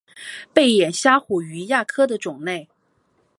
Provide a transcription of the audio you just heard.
背眼虾虎鱼亚科的种类。